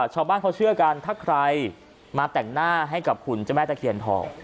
ชาวบ้านเขาเชื่อกันถ้าใครมาแต่งหน้าให้กับหุ่นเจ้าแม่ตะเคียนทอง